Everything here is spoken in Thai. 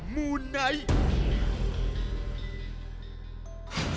มูไนท์